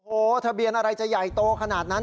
โอ้โหทะเบียนอะไรจะใหญ่โตขนาดนั้น